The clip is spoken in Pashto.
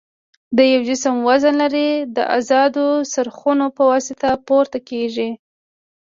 د یو جسم وزن لري د ازادو څرخونو په واسطه پورته کیږي.